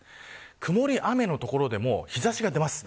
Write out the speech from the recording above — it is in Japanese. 曇り、雨の所でも日差しが出ます。